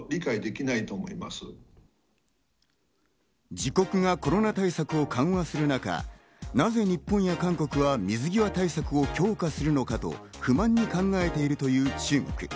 自国がコロナ対策を緩和する中、なぜ日本や韓国は水際対策を強化するのかと不満に考えているという中国。